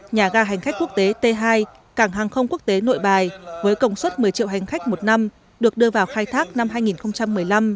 nhà ga hành khách quốc tế t hai cảng hàng không quốc tế nội bài với công suất một mươi triệu hành khách một năm được đưa vào khai thác năm hai nghìn một mươi năm